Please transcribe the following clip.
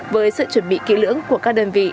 với sự chuẩn bị kỹ lưỡng của các đơn vị